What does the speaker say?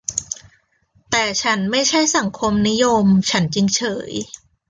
แต่ฉันไม่ใช่สังคมนิยม ฉันจึงเฉย